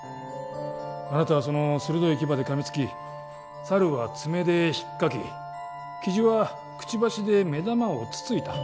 あなたはその鋭い牙でかみつき猿は爪でひっかき雉はくちばしで目玉をつついた。